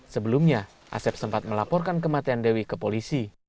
sebelumnya asep sempat melaporkan kematian dewi ke polisi